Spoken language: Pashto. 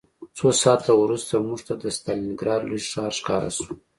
څو ساعته وروسته موږ ته د ستالینګراډ لوی ښار ښکاره شو